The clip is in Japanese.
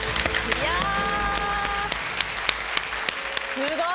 ・すごい。